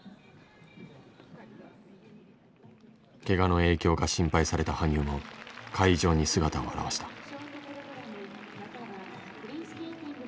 けがの影響が心配された羽生も会場に姿を現した。